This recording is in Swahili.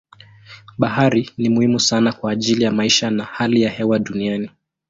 Bahari ni muhimu sana kwa ajili ya maisha na hali ya hewa duniani.